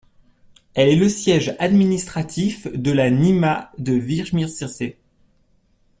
Elle est le siège administratif de la gmina de Wyśmierzyce.